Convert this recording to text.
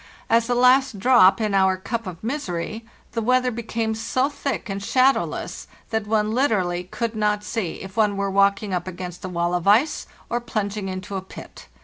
As a last drop in our cup of misery the weather became so thick and shadowless that one literally could not see if one were walking up against a wall of ice or plunging into a pit.